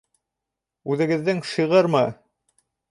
Үҙегеҙҙең шиғырмы?